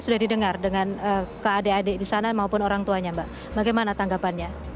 sudah didengar dengan ke adik adik di sana maupun orang tuanya mbak bagaimana tanggapannya